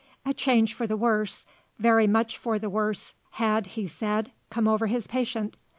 A change for the worse, very much for the worse, had, he said, come over his patient.